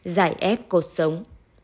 giải ép cột sống